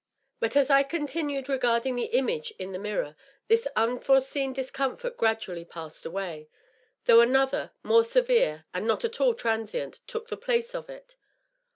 But as I continued regarding the image in the mirror, this unforeseen discomfort gradually passed away — though another, more severe and not at all transient, soon took the place of it.